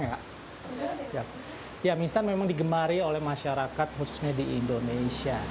ya mie instan memang digemari oleh masyarakat khususnya di indonesia